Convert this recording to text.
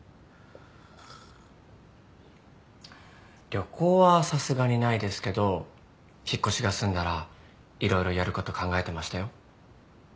旅行はさすがにないですけど引っ越しが済んだら色々やること考えてましたよ。